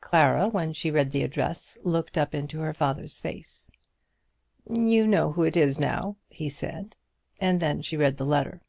Clara, when she read the address, looked up into her father's face. "You know who it is now," he said. And then she read the letter.